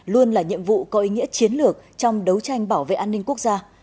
luôn là nhiệm vụ có ý nghĩa chiến lược trong đấu tranh bảo vệ an ninh quốc gia